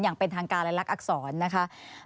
อย่างเป็นทางการและลักษรนะคะ